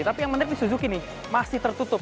tapi yang menarik di suzuki ini masih tertutup